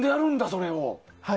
それを。